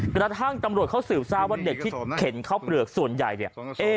กระทั่งตำรวจเขาสืบทราบว่าเด็กที่เข็นข้าวเปลือกส่วนใหญ่เนี่ย